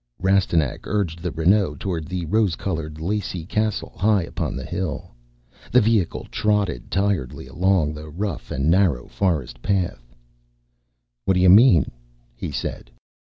Rastignac urged the Renault towards the rose colored lacy castle high upon a hill. The vehicle trotted tiredly along the rough and narrow forest path. "What do you mean?" he said.